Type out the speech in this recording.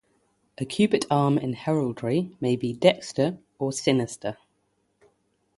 A cubit arm in heraldry may be "dexter" or "sinister".